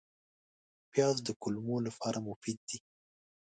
پیاز د کولمو لپاره مفید دی